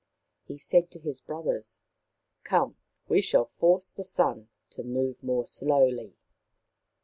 He said to his brothers, " Come ! we shall force the Sun to move more slowly."